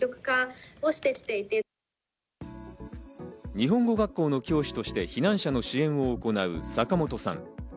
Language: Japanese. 日本語学校の教師として避難者の支援を行う坂本さん。